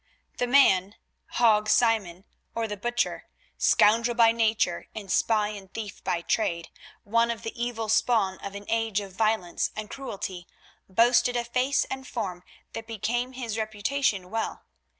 The man, Hague Simon, or the Butcher, scoundrel by nature and spy and thief by trade, one of the evil spawn of an age of violence and cruelty, boasted a face and form that became his reputation well.